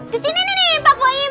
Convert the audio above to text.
di sini nih pak koim